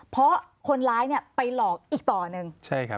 เพราะคนร้ายเนี่ยไปหลอกอีกต่อหนึ่ง